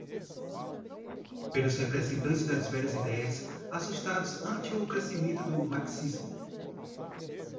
pelos representantes das velhas ideias, assustados ante o crescimento do marxismo